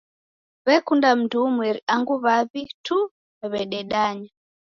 W'ekunda mndu umweri angu w'aw'i tu w'ededanya.